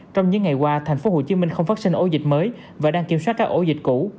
trong những ngày qua tp hcm không phát sinh ổ dịch mới và đang kiểm soát các ổ dịch cũ